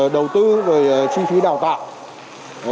đầu tư chi phí đào tạo